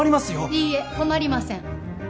いいえ困りません